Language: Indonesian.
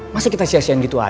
masih kita sia siaan gitu aja sih